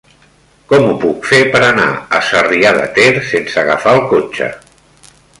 Com ho puc fer per anar a Sarrià de Ter sense agafar el cotxe?